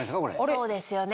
そうですよね。